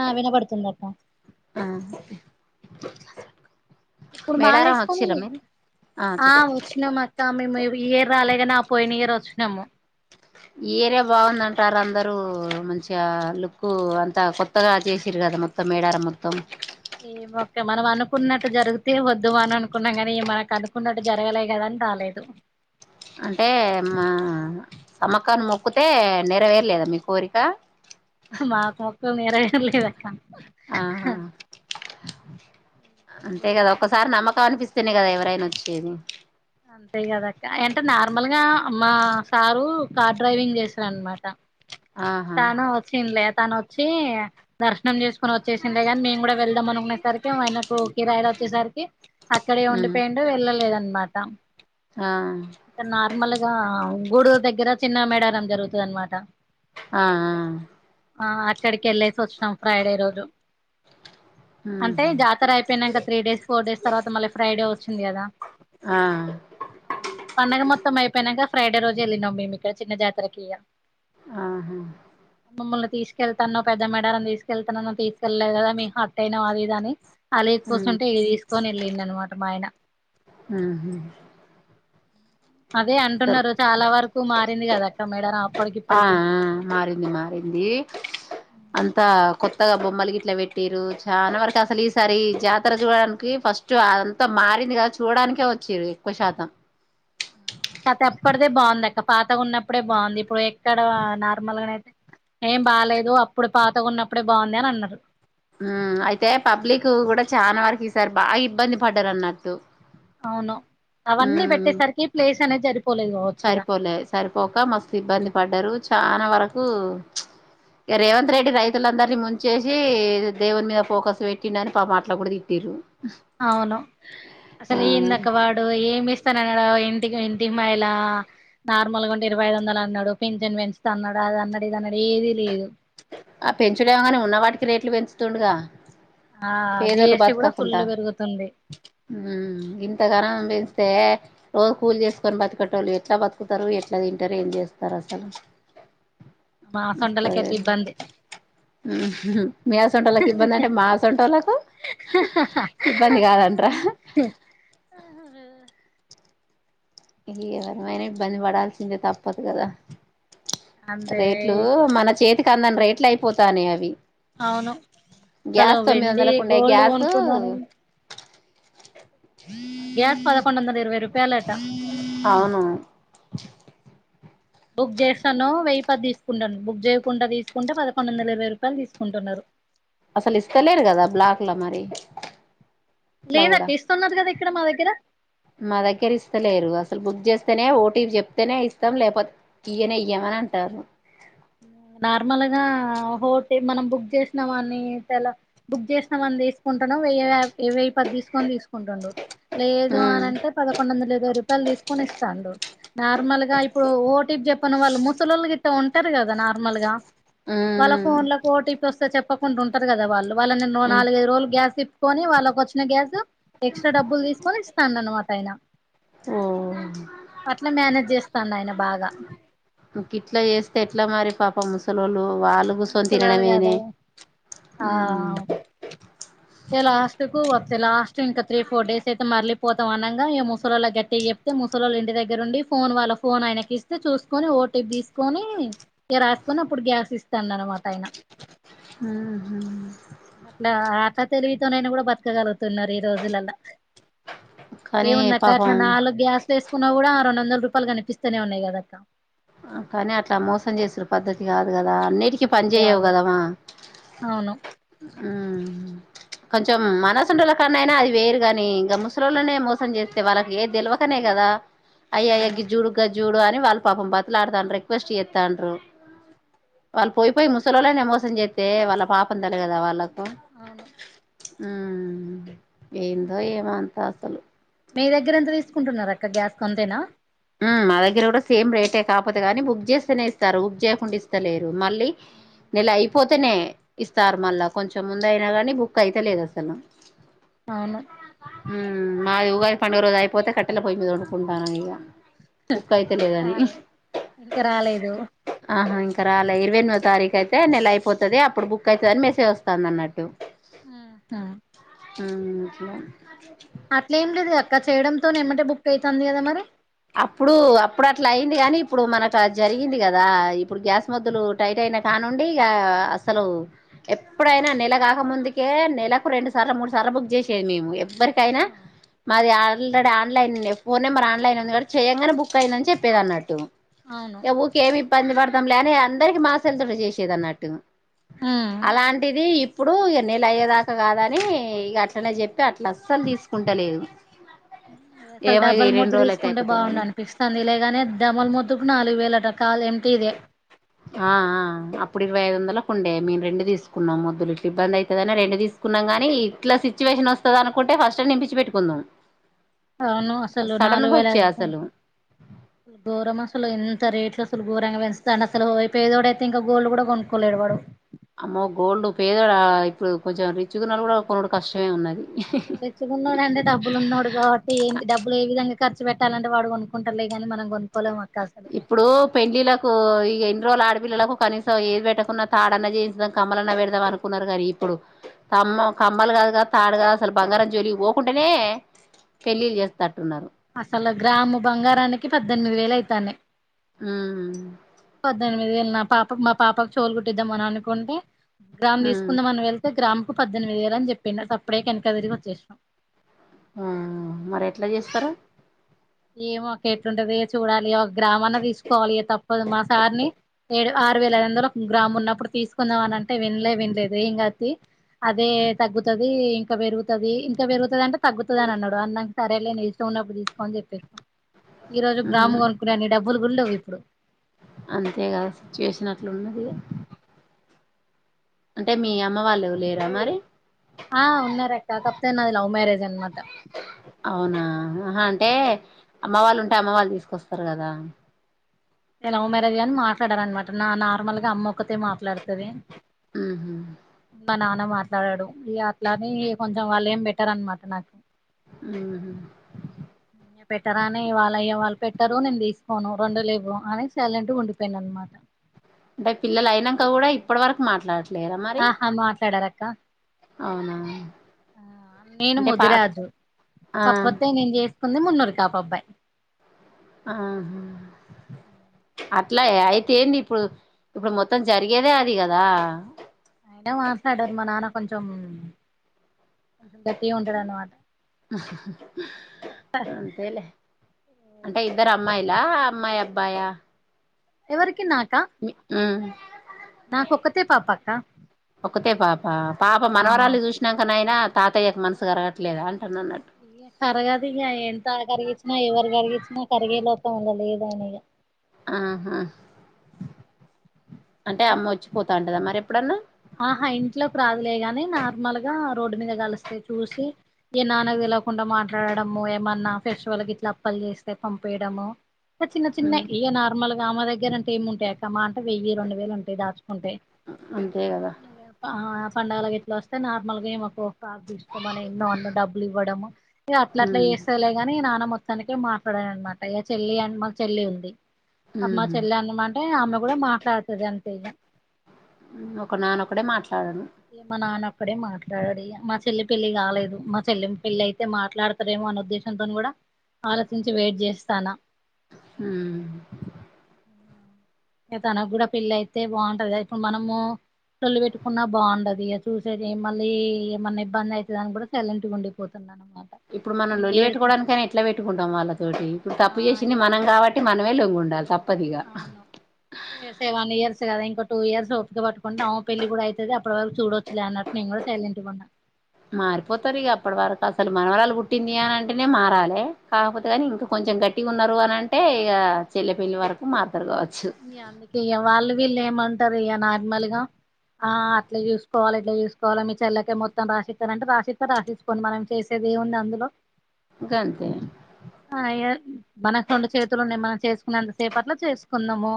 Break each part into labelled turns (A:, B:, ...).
A: ఆ వినపడుతుందక్క
B: [inaudible]
A: ఇప్పుడు మాల
B: మేడారం
A: వేసుకుని
B: వచ్చిర్రా మీరు
A: ఆ వచ్చినమ్ అక్క మేము. ఈ ఇయర్ రాలేగాని ఆ పోయిన ఇయర్ వచ్చినము.
B: ఈ ఏరియా బాగుందంటార్రందరూ మంచిగా లుక్ అంతా కొత్తగా చేసిర్రు కదా మొత్తం మేడారం మొత్తం
A: ఏమో అక్క మనం అనుకున్నట్టు జరిగితే వద్దుమ అని అనుకున్నాం కాని మనకు అనుకున్నట్టు జరగలే కదా అని రాలేదు
B: అంటే మా సమ్మక్కన్ని మొక్కుతెే నెరవేరలేదా మీ కోరిక.
A: మాకు మొక్కు నెరవేరలేదు అక్క
B: ఆహా అంతే
A: ఏ
B: కదా ఒకసారి నమ్మకం అనిపిస్ ర్తనే ఎవరైనా వచ్చేది.
A: అంతే కదక్క అంటే నార్మల్గా మా సారు కార్ డ్రైవింగ్ చేస్తరన్మాట
B: ఆహా
A: తాను వచ్చింది లే తను వచ్చి దర్శనం చేసుకుని వచ్చేసిండే గానీ మేము కూడా వెళ్దాం అనుకునేసరికి ఆయనకు కిరాయిలు వచ్చేసరికి అక్కడే
B: ఉమ్
A: ఉండిపోయిండు వెళ్ళలేదన్మాట్
B: ఆ
A: ఇక్కడ్ నార్మల్ గా గూడూర్ దగ్గర చిన్న మేడారం జరుగుతది అన్మాట.
B: అ ఆ
A: ఆ అక్కడికి వెళ్ళేసి వచ్చినం ఫ్రైడే రోజు. అంటే జాతర అయిపోయినంక త్రీ డేస్ ఫోర్ డేస్ తర్వాత మళ్ళీ ఫ్రైడే వచ్చింది కదా.
B: ఆ
A: ఆ పండుగ మొత్తం అయిపోయినంక ఫ్రైడే రోజు వెళ్ళినం మేము ఇక్కడ చిన్న జాతరకి ఇగ
B: అహా
A: మ్మల్ని తీసుకెళ్తాన్నవ్ పెద్ద మేడారం తీసుకెళ్తానని తీసుకెళ్లేదు కదా మీకు అట్ట అయినమ్ అది ఇది అని అలిగ్
B: ఉమ్
A: క్కూసుంటే ఇగ తీసుకొని వెళ్ళిండి అన్మాట మా ఆయన
B: ఉహు
A: అదే అంటున్నారు చాలా వరకు మారింది కదా అక్క మేడారం. అప్పటికి
B: ఆ
A: ఇప్పటికి
B: మారింది మారింది అంతా కొత్తగా బొమ్మలు గిట్లా పెట్టిర్రు చాలా వరకు అసలు ఈసారి జాతర చూడడానికి ఫస్ట్ అంతా మారింది కదా చూడానికే వచ్చిర్రు ఎక్కువ శాతం.
A: ఆ అతే ఎప్పటిదే బాగుంది అక్క పాతగా ఉన్నప్పుడే బాగుంది ఇప్పుడు ఎక్కడ నార్మల్గాన అయితే ఏం బాాలేదు అప్పుడు పాతగున్నప్పుడే బాగుంది అని అన్నరు.
B: అయితే పబ్లిక్ కూడా చానా వరకు ఇసారు బాగా ఇబ్బంది పడ్డరు అన్నట్టు.
A: అవును అవన్నీ
B: ఉమ్
A: పెట్టేసరికి ప్లేస్ అనేది జరిపి
B: సరిపోలే సరిపోక మస్తు ఇబ్బంది పడ్డారు చాలా వరకు ఇక రేవంత్ రెడ్డి రైతులందరినీ ముంచేసి దేవుని మీద ఫోకస్ పెట్టిండ అని పా మాటలు కూడా తిట్టర్రు
A: అవును అసలు ఈందక వాడు ఏమిస్ వస్తాను అన్నా ఇంటికి ఇంటికి మిళ నార్మల్గా ఉంటే ఇరవై ఐదు వందలు అన్నాడు పెంచన్ పెంచుత అన్నాడా అ అన్నడది అన్నడ ఏది లేదు
B: ఆ పెంచులేమగాని ఉన్నవాటికి రేట్లు పెంచుతుండుగా
A: ఆ
B: పేదోళ్లు
A: జిఎస్టి కూడా ఫుల్
B: బతకకుండా
A: పెరుగుతుంది
B: ఇంతగనం పెంచ్ తే రోజు కూల్ చేసుకొని బతుకే వాళ్ళు ఎట్లా బతుకుతారు ఎట్లా తింటారు ఏం చేస్తారు అసలు
A: మా
B: వస్తది
A: అసంటోళ్ళకైతే ఇబ్బంది
B: మీ ఆసంట వాళ్ళకి ఇబ్బంది అంటే మా సంట వాళ్ళలకు ఇబ్బంది కాదంటారా
A: అ
B: ఏవరమైనా ఇబ్బంది పడాల్సిందే తప్పదు కదా
A: అంతే
B: రేట్లు
A: ఇప్పుడు
B: మన చేతికి అందని రేట్లు అయిపోతానే అవి
A: అవును తను
B: గ్యాస్ తొమ్మిది
A: వెండి
B: వందలకు ఉండే
A: గోల్డ్
B: గ్యాసు
A: కొనుక్కుందాని గ్యాస్ పదకొండ వందల ఇరవై రూపాయాలటా అ
B: అవును
A: బుక్ చేస్తాను వెయ్యి పది తీసుకుంటాను బుక్ చేయకుండా తీసుకుంటే పదకొండు వందల ఇరవై రూపాయలు తీసుకుంటున్నారు
B: అసలు ఇస్తలేరు కదా బ్లాక్ల మరి అట్లా కూడా
A: లేదక్క ఇస్తున్నారు కదా ఇక్కడ మా దగ్గర
B: మా దగ్గర ఇస్తలేరు అసలు బుక్ చేస్త ఇస్తనే ఓటి చెప్తేనే ఇస్తాం లేకపోతే ఇయనే ఇయ్యమని అంటారు
A: నార్మల్గా హోట మనం బుక్ చేసిన వాన్ననిలా బుక్ చేసినావని తీసుకుంటాను వెయ్య ఇవవి పది తీసుకొని తీసుకుంటుాండు లేదు అని
B: ఉమ్
A: అంటే పదకొండు వందల ఇరవై రూపాయలు తీసుకుని ఇస్తాండు నార్మల్ గా ఇప్పుడు ఓటికి చెప్పిన వాళ్ళు ముసలోళ్ళు గిట్ట ఉంట ంటారు కదా నార్మల్ గా వాళ్ళ
B: ఉమ్
A: ఫోన్ లో ఓటీపీ వస్తే చెప్పకుండా ఉంటారు కదా వాళ్ళు వాళ్ళనిన్న
B: ఉమ్
A: నాలుగైదు రోజులు గ్యాస్, ఇప్పుకొని వాళ్ళకి వచ్చిన గ్యాస్, ఎక్స్ట్రా డబ్బులు తీసుకొని ఇస్తాండ, అన్నమాట ఆయిన
B: ఓ
A: అట్ల మేనేజ్ చేస్తాడు, ఆయన బాగా
B: ఇట్లా మారి పాప ముసలుళ్ళు వాళ్ళుకూసోని
A: ముసలోళ్ళు
B: తినడంమేనే
A: కదా ఆ ఇగ లాస్ట్ కు వత్తే లాస్ట్ ఇంకా త్రీ ఫోర్ డేస్ అయితే మరళలిపోతాం అనగా ఈక ముసలొలాకి గట్టిగా చెప్తే ముసలోలు ఇంటి దగ్గర ఉండి, ఫోన్ వాళ్ళ ఫోన్ ఆయనకి ఇస్తే చూసుకొని ఓటీపీ తీసుకొని రాసుకొని అప్పుడు గ్యాస్ ఇస్త అనమాట ఆయన
B: ఉహు
A: అట్లా తెలివితోనైనా కూడా బతకగలుగుతున్నారు, ఈ రోజులలా
B: కానీ
A: ఏముంద అక్క
B: పాపం
A: అట్లా నాలుగు గ్యాస్లు వేసుకున్నా కూడా రెండు వందల రూపాయలు కనిపిస్తూనే ఉన్నాయి, కదా అక్క
B: కానీ అట్లా మోసం చేసారు, పద్ధతి కాదు కదా అన్నిటికి
A: పెద్దది
B: పనించేయవు
A: కాదు అసలు.
B: కదవా
A: అవును
B: ఉ కొంచెం మనసుండల కన్నా అయినా అది వేరుగాని ఇం ముసలోలని మోసం చేస్తే వాళ్ళకి ఏం తెలవకనే కా కదా అయ్యయ్య గ
A: అవును
B: జూడు గ జూడు అని వాళ్ళ పాపం బత ట్లాడతా రెక్వెస్ట్ చేతాండ్రు వాళ్ళు పోయిపోయి ముసల వాళ్ళనే మోసం చేస్తతే వాళ్ళ పాపం తలాగాదా వాళ్ళలకు
A: అవును
B: ఏందో ఏమంత అసలు
A: మీ దగ్గర ఎంత తీసుకుంటున్నారు, అక్క గ్యాస్ అంతేనా
B: మా దగ్గర కూడా సేమ్ రేటే కాకపోతే కానీ బుక్ చేస్తేనే ఇస్తారు, బుక్ చేయకుండా ఇస్తలేరు మళ్ళీ నెలా అయిప్ పోతేనే ఇస్తారు, మళ్ళా కొంచెం ముంద అయినా కానీ బుక్ అయితలేదు అసలు
A: అవును
B: మాది ఉగాది పండుగ రోజు అయిపోతే కట్టెలో పోయిపోయింది. వండుకుంటానము, ఇక బుక్ అయితే లేదని
A: రాలేదు ఇంకా రాలేదు
B: ఆహా ఇక్కడ అలా ఇరవై ఎనిమిదో తారీఖ అయితే నెల అయిపోతది, అప్పుడు బుక్ అయితది అని మెసేజ్ వస్తుంది, అన్నట్టు
A: ఉ హు
B: ఉ అట్లా
A: అట్లే ఏం లేదు అక్క చేయడంతోనే ఏమటే బుక్ అవుతుంది, కదా మరి
B: అప్పుడు అప్పుడు అట్లా అయింది, కానీ ఇప్పుడు మనకు జరిగింది కదా ఇప్పుడు గ్యాస్ మొద్దు లు టైట్ అయి కానుండి ఇక అసలు ఎప్పుడైనా నెల కాక ముందుకే నెలకు రెండు సార్లు ముడి సర బుక్ చేసేది మేము ఎవరికైనా
A: ఆ
B: మాది ఆల్రెడ ఆన్లైన్ ఉ ఫోన్ నెంబర్ ఆన్లైన్ ఉంది. చెయ్యంగానే బుక్ అయియందని చెప్పేది అన్నట్టు
A: అవును
B: ఇ ఊకేమి ఇబ్బంది పడతాం లేని అందరికి మా సెల్ తో చేసేది అన్నట్టు,
A: ఉమ్
B: అలాంటిది ఇప్పుడు నెల అయ్యేదాకా కాద అని ఇక అట్లనే చెప్పి అట్లా అస్సలు తీసుకుంటలేదు.
A: అసలు
B: ఏమో ఈ
A: డబల్
B: రెండు
A: మొద్దు
B: రోజులు అయితే
A: తీసుకుంటే, బాగుండ
B: అయిపోతదని
A: అనిపిస్తాంది లేగానే డబల్ మొద్దుకు నాలుగు వేలు అంట కాలి ఏంప్టీ ఇదే
B: ఆ అప్పు ఇరవైఐదు వందలకు ఉండే మేము రెండు తీసుకున్నాం మొద్దులు ఇట్లా ఇబ్బంది అవుతుందని, రెండు తీసుకున్నాం, తిసుకున్నాం కాని ఇట్లా సిచ్యువేషన్ వస్తుంది, అనుకుంటే ఫస్ట్ నిపించి పెట్టుకుందాం.
A: [unintelligible] అవును అసలు
B: సడన్
A: నాలుగు
B: గా వచ్చాయి
A: వేలఐదువందలు
B: అసలు
A: అనుకుంటే గోరం అసలు ఎంత రేట్లు, అసలు ఘోరంగా పెంచూతండు అసలు పేదోడు, అయితే ఇంకా గోల్డ్ కూడా కొనుక్కకోలేడు వాడు,
B: అమ్మో గోల్డ్ పేదడా ఇప్పుడు కొంచెం, రిచ్ గా ఉన్నోడు కూడా కొనుడు కష్టమే ఉన్నది.
A: రిచ్ గా ఊనోడు, అండి డబ్బులు ఉన్నాడు, కాబట్టి ఏంటి డబ్బులు ఏ విధంగా ఖర్చ పెట్టాలంటే, వాడు కొనుకుంటారులే కానీ మనం కొనుక్కోలేం అక్క అసలు
B: ఇప్పుడు పెళ్లి లకు ఇ ఎన్ని రోజులు ఆడు పిల్లలకు కనీసం ఏది పెట్టకున్నా తాడన్నా చేయించూదాం, కమ్మలన్నా పెడదాం అనుకున్నారు, కానీ ఇప్పుడు కామ కమ్మలు కాదుగా తాడు కాదా అసలు బంగారం జోలి పోకుంటేనే పెళ్ళిళ్ళ చేస్తేట్టున్నారు,
A: అసలు గ్రాము బంగారానికి పద్దెనిమిది వేలు అయితానే
B: ఉహు
A: నా పాపకు మా పాపకు చోలు కుట్టిద్దాం అని అనుకుంటే గ్రామ్
B: ఉమ్
A: తీసుకుందామని వెళ్తే గ్రామ్ పద్దెనిమిది వేలు అని చెప్పిండు సప్పుడేక వెనక తిరిగి వచ్చేస్నమ్
B: ఆ మరి ఎట్లా చేస్తారూ
A: ఏమో ఒక ఎట్లుంటదో ఇగ చూడాలి ఒక గ్రామ్ అన్న తీసుకోవాలి ఇగ తప్పదు మా సారిని ఏడు ఆర్ ఆరు వేల ఐదు వందలు గ్రాము ఉన్నప్పుడు తీసుకుందాం అని అంటే వినలే వినలేదు ఏంకాతీ అదే తగ్గుతది ఇంకా పెరుగుతది ఇంకా పెరుగుతది అంటే తగ్గుతది అని అన్నాడు అన్నాంక సరే నీ ఇష్టం ఉన్నప్పుడు తీసుకో అని చెప్పిన ఈ రోజు
B: ఉమ్
A: గ్రాము కొనుకునే అన్ని డబ్బులు గుడ లేవు ఇప్పుడు
B: అంతేగాదు సిచ్యువేషన్ అట్లున్నదిగా అంటే మీ అమ్మ వాళ్ళు లేరా మరి
A: ఆ ఉన్నారక్క కాకపోతే లవ్ మ్యారేజ్ అన్నమాట
B: అవునా అహ అంటే అమ్మ వాళ్ళు ఉంటే అమ్మ వాళ్ళు తీసుకొస్తరు కదా
A: లవ్ మేరేజ్గాని మాట్లాడారన్నమాట నా నార్మల్ గా అమ్మ ఒక్కతే మాట్లాడు తది
B: ఉహు
A: మా నాన్న న మాట్లాడడు ఇగ అట్లాని కొంచెం వాళ్ళు ఏం బెట్టరు అన్నమాట నాకు
B: ఉహు
A: పెట్టరాని వాళ అయ్య వాళ్ళు పెట్టరు నేను తీసుకోను రెండు లేవు వాళ్లే సైలెంట్ గా ఉండిపోయిండన్నమాత
B: అంటే పిల్లలు అయినంక గుడ ఇప్పటి వరకు మాట్లాడ
A: ఆహా మాట్లాడరక్క
B: అవునా
A: ఆ నేను
B: అంటే పా
A: ముదిరాజు
B: ఆ
A: కాపోతే నేను చేస్ కుంది మన్నూరు కాపబ్బాయ్
B: ఆహా అట్లై అయితే ఏంది ఇప్పుడు ఇప్పుడు మొత్తం జరిగేదే అది కదా
A: అయినా మాట్లాడరూ మా నాన్న కొంచం కొంచెం గట్టిగా ఉంటడు. అన్నమాట
B: అంతేలే అంటే ఇద్దరు అమ్మాయిలా అమ్మాయి అబ్బాయా
A: ఎవరికి నాక్
B: ఉ
A: నాకు ఒక్కతే పాపక్క
B: ఒక్కతే పాప పాప మనవరాల్నీ చూసినంక నైనా తాతయ్యకు మనసు కరగట్లేద అం
A: కరగదిగా ఎంత కరిగిచ్చినా ఎవరు కరిగిచ్చినా కరిగే లోకం ఇగ లేదు. దండగ
B: ఆహా అంటే అమ్మ వోచ్చిపోతంటదా మరి ఎప్పుడన్నా
A: ఆహా ఇంట్లోకి రాదులే గాని నార్మల్గా రోడ్డు మీద కలిస్తే చూసి ఇగ నాన్నకు తెలవకుండా మాట్లాడడము ఏమన్నా ఫెస్టివల్ గిట్లా అప్పలు చేస్తే పంపియడము. చిన్న చిన్న
B: ఉమ్
A: ఇగ నార్మల్ గా ఆమే దగ్గర ఏముంటయి అక్క మా అంటే వెయ్యి రెండు వేలు ఉంటయి దాచుకుంటే
B: అంతే కదా
A: ఇగ ఆ పండగల గిట్లా వస్తే నార్మల్గా ఈమేకు ఫ్రాక్ తీసుకోమని ఎన్నో అన్ని డబ్బులు ఇవ్వడము ఇగ అట్ల అట్లా
B: ఉమ్
A: చేస్తదిలే గని నాన్నమ్మ మొత్తానికే మాట్లడన్నమాట ఇగ చెల్లి అనీ మాకు చెల్లి ఉంది. అమ్మ
B: ఉమ్
A: చెల్లి అను మంటె ఆమె కూడా మాట్లాడుతది అంతే ఇగ
B: ఒక నాన్న ఒక్కడే మాట్లాడడు
A: ఇగ మా నాన్న ఒక్కడే మాట్లాడడుడిగ మా చెల్లి పెళ్లి కాలేదు. మా చెల్లి పెళ్లి అయితే మాట్లాడతరేమో మన ఉద్దేశంతోని గుడ ఆలోచించి వెయిట్ చేస్తాన్న
B: హ్
A: తనకు గుడ పెళ్ళయితే బాగుంటది. కదా ఇప్పుడు మనము లొల్లి పెట్టుకున్నా బాగుండది ఇగ చూసేది మళ్ళీ ఏమన్నా ఇబ్బందయితది అనుకుంట సైలెంట్ ఉండిపోతన్నాను.
B: ఇప్పుడు మనం లోల్లి పెట్టుకోవడానికయినా ఎట్లా పెట్టుకుంటాం వాళ్ళతోటి ఇప్పుడు
A: ఆ
B: తప్పు చేసింది.
A: ఏ
B: మనం కాబట్టి మనం మే లొంగి ఉండాలి. తప్పు
A: అవును ఏ సేవన్ ఇయర్స్ కదా ఇంక టూ ఇయర్స్ ఓపిక పట్టుకుంటే ఆమే పెళ్లి కూడా అయితది అప్పటి వరకు చూడచ్చులే అన్నట్టు నేను కూడా సైలెంట్గా ఉన్నా
B: మారిపోతారు. ఇగా అప్పటి వరకు అసలు మనవరాలు పుట్టింది. అని అంటేనే మారాలే కాకపోతే గానీ ఇంకా కొంచెం కొంచెం గట్టిగా ఉన్నారు. అని అంటే ఇక చెల్లె పెళ్ళి వరకు మారు
A: ఇగా అందుకే వాళ్ళు వీళ్ళు ఏమంటారు ఇగా నార్మల్ గా ఆ అట్లా చూసుకోవాల ఇట్లా చూసుకోవల మీ చెల్లకే మొత్తం రాసిస్తానంటే రాసిస్తా రాసిస్తు కోనీ మనం చేసే ఏముంది. అందులో
B: గంతే
A: అయ మనకు రెండు చేతులున్నాయి. మనం చేసుకున్న అంతసేపట్ల చేసు కుందాము.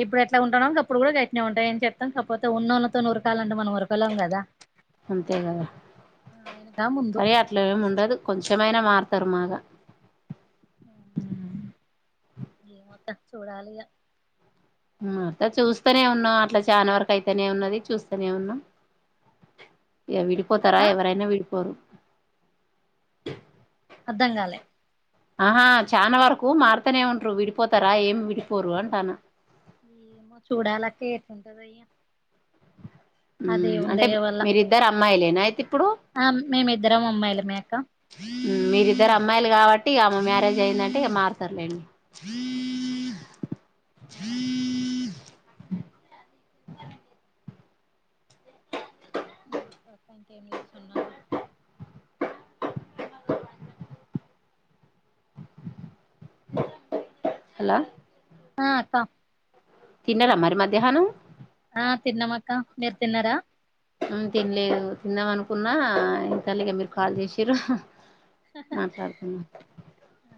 A: ఇప్పుడు ఎట్లా ఉంటన్నమే గాప్పుడు కూడా గట్నే ఉంతమ ఏం చెత్తం కాకపోతే ఉన్నళ్ళతోనీ వురకాల అంటే మనం ఊరకలేం కదా ఆయనకా ముందు
B: అయ్యా అట్లా ఏమి ఉండదు కొంచెమైనా మారుతారు మాగా
A: ఏమే అక్క చూడాలిగా
B: హ్ అట్లా చూస్తనే ఉన్నాం. అట్లా చాలా వరకు అయితేనే ఉన్నది. చూస్తనే ఉన్నాం విడిపోతారా
A: అక్క
B: ఎవరైనా విడిపోరు
A: అర్ధం కాలే
B: ఆహా చానా వరకు మారుతానే ఉంటరూ విడిపోతారా ఏమి విడిపోరు అంటాన్న
A: ఏమో చూడాలక్క ఎట్లుంటదో ఇగ
B: హ్
A: ఆ దేవుని
B: అంటే
A: దయ వల్ల
B: మీరిద్దరు అమ్మాయిలేనా అయితే ఇప్పుడు
A: ఆ మేము ఇద్దరం అమ్మాయిలమే అక్క
B: హ్ మీరిద్దరు అమ్మాయిలు కాబట్టి ఇగా ఆమె మ్యారేజ్ అయిందంటే ఇక మారుతారులేండి. [inaudible]
A: ఇంకేం జేస్తున్నారు
B: హలో
A: ఆ అక్క
B: తిన్నారా మరి మధ్యాహ్నం
A: ఆ తిన్నామక్క మీరు తిన్నారా
B: ఉమ్ తినలేదు తిందామ అనుకున్నా ఇంతల్లిగే మీరు కాల్ జేసిర్రు మాట్లాడుతున్నా
A: ఆ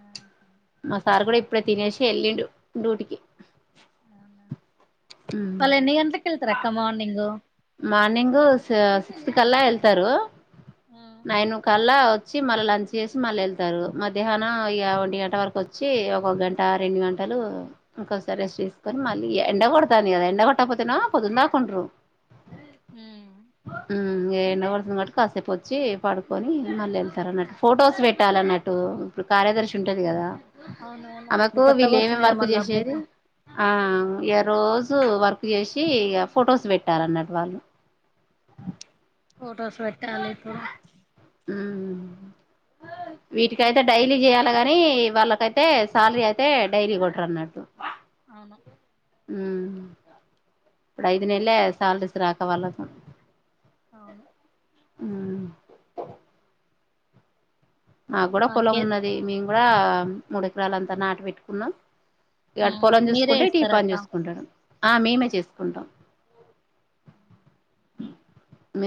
B: మ సార్ కూడా ఇప్పుడే తినేసి యెళ్ళిండు డూటికి
A: వాళ్ళ ఎన్ని గంటలకు యెళ్తరక్క మార్నింగు
B: మార్నింగ్ సిక్స్త్ కల్లా యెళ్తారు నైన్ కల్లా వచ్చి మళ్ళీ లంచ్ చేసి మళ్ళ యెళ్తారు మధ్యాహ్నం ఇగ ఒంటి గంట వరకు వచ్చి ఒక గంట రెండు గం టలు ఇంకోసారి రెస్ట్ తీసుకొని మళ్ళీ ఎండ కొడతాంది గదా ఎండ కొ ట్ట పోతేనేమో పొద్దున్ దాకా ఉంట్రు
A: ఉమ్
B: ఉమ్ ఎండకొడుతుంది కాబట్టి కాసేపు వచ్చి పడుకొని మళ్ళీ యెళ్తారు అన్నట్టు ఫోటోస్ పెట్టాలి అన్నట్టు ఇప్పుడు కార్యదర్శి ఉంటది గదా
A: అవునవును ఇప్పుడు
B: ఆమెకు
A: కొత్తగా
B: వీళ్ళ ఏమే
A: వచ్చింది కదా
B: వర్కు
A: మళ్ళీ
B: జేసేది
A: అప్డేట్
B: ఆ ఇగ రోజు వర్క్ జేసి ఫోటోస్ బెట్టాలన్నట్ వాళ్ళు
A: ఫోటోస్ పెట్టాలి ఇప్పుడు
B: ఉమ్
A: [inaudible]
B: వీటికైతే డైలీ జేయ్యాలి గాని వాళ్ళకైతే శాలరీ అయితే డైలీ కొట్టరు అన్నట్టు
A: అవును
B: ఉమ్ ఇప్పుడు ఐదు నెలలాయే సాలరీస్ రాక వాళ్ళకు
A: అవును
B: ఉమ్ మాకు
A: ఈ
B: గూడా పొలం
A: మాకే
B: ఉన్నది మేము గూడా మూడు ఎకరాలు అంతా నాటు పెట్టుకున్నాం ఇగ అటు పొలం
A: మీరే
B: చూసుకుంటా ఇటు ఈ
A: వేస్తార
B: పని
A: అక్క
B: చూసుకుంటాడు ఆ మేమే చేసుకుంటాం [inaudible]